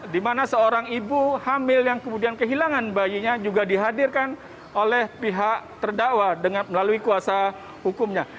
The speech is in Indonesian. dimana seorang ibu hamil yang kemudian kehilangan bayinya juga dihadirkan oleh pihak terdakwa melalui kuasa hukumnya